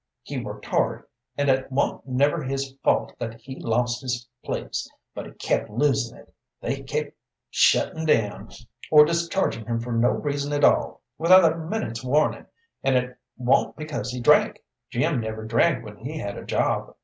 He worked hard, and it wa'n't never his fault that he lost his place, but he kept losin' it. They kept shuttin' down, or dischargin' him for no reason at all, without a minute's warnin'. An' it wa'n't because he drank. Jim never drank when he had a job.